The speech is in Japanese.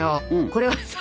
これはさ